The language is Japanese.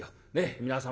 皆様